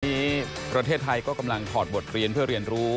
ประเทศไทยก็กำลังถอดบทเรียนเพื่อเรียนรู้